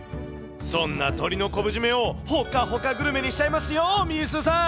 そんな鶏の昆布締めを、ホカホカグルメにしちゃいますよ、みーすーさん。